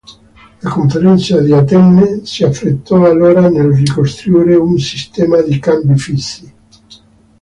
La conferenza di Atene si affrettò allora nel ricostruire un sistema di cambi fissi.